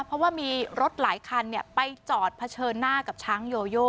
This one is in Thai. เพราะว่ามีรถหลายคันไปจอดเผชิญหน้ากับช้างโยโย